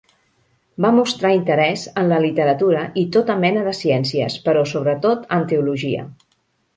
Va mostrar interès en la literatura i tota mena de ciències, però sobretot en teologia.